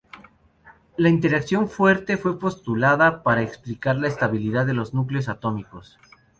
La interacción fuerte fue postulada para explicar la estabilidad de los núcleos atómicos.